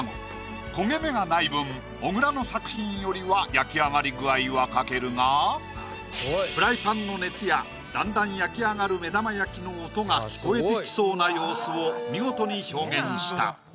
焦げ目がない分小倉の作品よりは焼き上がり具合は欠けるがフライパンの熱やだんだん焼き上がる目玉焼きの音が聞こえてきそうな様子を見事に表現した。